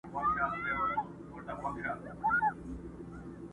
• مور او ورور هڅه کوي